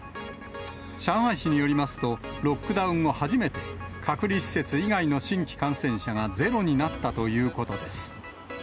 上海市によりますと、ロックダウン後初めて、隔離施設以外の新規感染者がゼロになったということです。